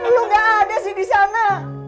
lo gak ada sih disana